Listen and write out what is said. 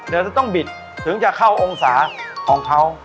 เดี๋ยวจะต้องบิดถึงจะเข้าองศาของเขา